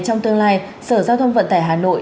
trong tương lai sở giao thông vận tải hà nội